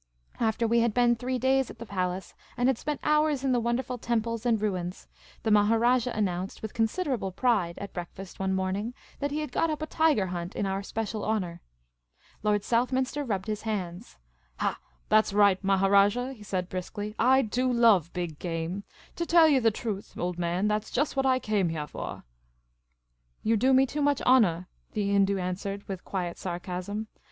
After we had been three days at the palace and had spent hours in the wonderful temples and ruins, the Maharajah announced with considerable pride at breakfast one morning that he had got up a tiger hunt in our special honour. lyord Southminster rubbed his hands, " Ha, that 's right, Maharaj," he said, briskly. " I do love big game. To tell yah the truth, old man, that 's just what I came heah for. ''*' You do me too much honour," the Hindoo answered, with quiet sarcasm.